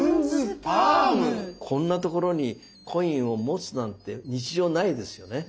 こんなところにコインを持つなんて日常ないですよね。